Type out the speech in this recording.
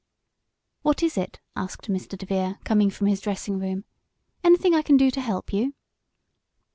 "What is it?" asked Mr. DeVere, coming from his dressing room. "Anything I can do to help you?"